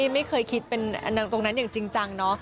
ไม่เคยคิดเป็นตรงนั้นอย่างจริงจังเนาะ